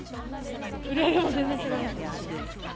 売り上げも全然違います。